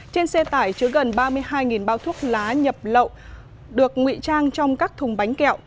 trên xe tải chứa gần ba mươi hai bao thuốc lá nhập lậu được nguy trang trong các thùng bánh kẹo